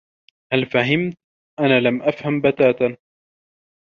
هل فهمت؟ "أنا لم أفهم بتاتا."